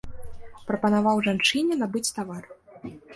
Прапанаваў жанчыне набыць тавар.